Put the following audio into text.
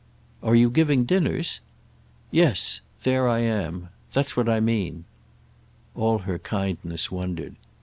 "Are you giving dinners?" "Yes—there I am. That's what I mean." All her kindness wondered.